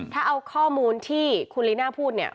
ถ้าเอาข้อมูลที่คุณลีน่าพูดเนี่ย